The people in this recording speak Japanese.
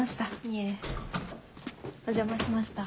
いえお邪魔しました。